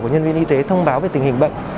của nhân viên y tế thông báo về tình hình bệnh